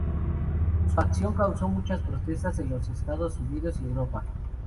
Su acción causó muchas protestas en los Estados Unidos y Europa.